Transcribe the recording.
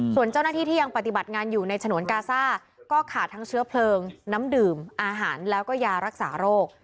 ส่วนเจ้าหน้าที่ที่ยังปฏิบัติงานอยู่ในฉนวนกาซ่าก็ขาดทั้งเชื้อเพลิงน้ำดื่มอาหารแล้วก็ยารักษาโรค